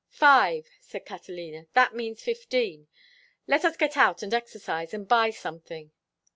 "Five!" said Catalina. "That means fifteen. Let us get out and exercise and buy something."